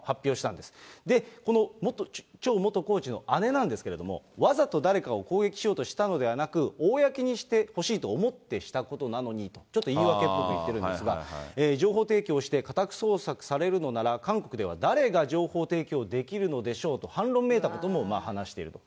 で、このチョ元コーチの姉なんですけれども、わざと誰かを攻撃しようとしたのではなく、公にしてほしいと思ってしたことなのにと、ちょっと言い訳っぽく言ってるんですが、情報提供をして家宅捜索されるのなら、韓国では誰が情報提供できるのでしょうと、反論めいたことも話していると。